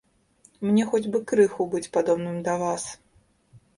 Мне хоць бы крыху быць падобным да вас.